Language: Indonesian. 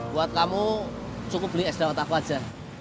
buat kamu cukup beli es dawet aku aja